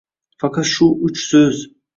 Faqat shu uch so’z.